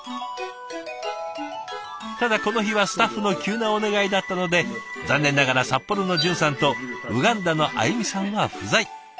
ただこの日はスタッフの急なお願いだったので残念ながら札幌の淳さんとウガンダのあゆみさんは不在。